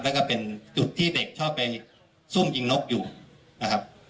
แล้วก็เป็นจุดที่เด็กชอบไปซุ่มยิงนกอยู่นะครับ